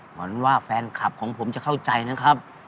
เหมือนว่าแฟนคลับของผมจะเข้าใจนะครับ